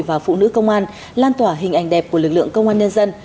và phụ nữ công an lan tỏa hình ảnh đẹp của lực lượng công an nhân dân